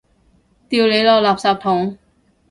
掉你落垃圾桶！